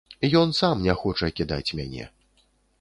Ён сам не хоча кідаць мяне.